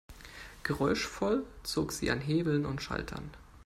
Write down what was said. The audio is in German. Geräuschvoll zog sie an Hebeln und Schaltern.